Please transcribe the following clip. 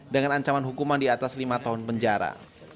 dengan ancaman hukuman di atas lima tahun penjara